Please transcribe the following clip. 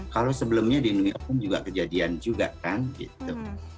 kalau sebelumnya di new york pun juga kejadian juga kan gitu